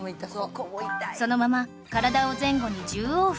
そのまま体を前後に１０往復